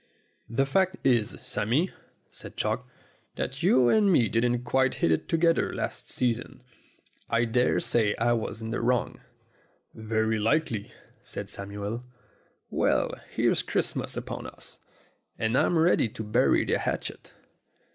"The fact is, Sammy," said Chalk, "that you and me didn't quite hit it together last season. I dare say I was in the wrong." "Very likely," said Samuel. "Well, here's Christmas upon us, and I'm ready to bury the hatchet."